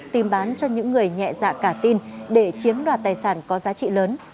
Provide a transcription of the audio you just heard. tìm bán cho những người nhẹ dạ cả tin để chiếm đoạt tài sản có giá trị lớn